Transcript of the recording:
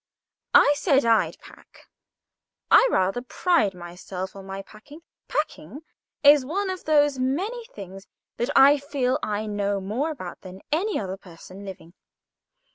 I said I'd pack. I rather pride myself on my packing. Packing is one of those many things that I feel I know more about than any other person living.